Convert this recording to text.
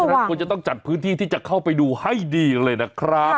เพราะฉะนั้นคุณจะต้องจัดพื้นที่ที่จะเข้าไปดูให้ดีเลยนะครับ